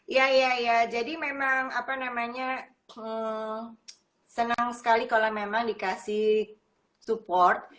iya iya jadi memang apa namanya senang sekali kalau memang dikasih support